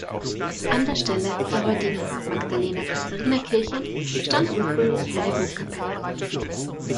An der Stelle der heutigen Magdalena-Katharina-Kirche stand ursprünglich eine Burgkapelle.